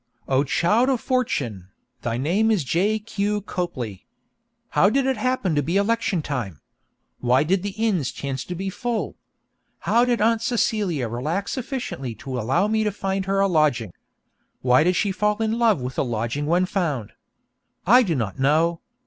O child of fortune, thy name is J. Q. Copley! How did it happen to be election time? Why did the inns chance to be full? How did Aunt Celia relax sufficiently to allow me to find her a lodging? Why did she fall in love with the lodging when found? I do not know.